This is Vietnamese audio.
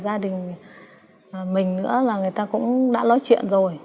gia đình mình nữa là người ta cũng đã nói chuyện rồi